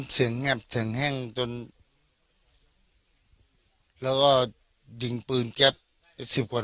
เสียงงับเสียงแห้งจนแล้วก็ดิ่งปืนแก๊สสิบกว่า